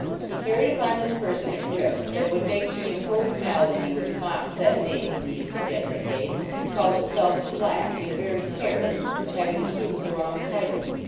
He carried upon his person a grip that would make the imported malady which mocks that name in these degenerate days, call itself Slack, in very terror at having as sumed the wrong title.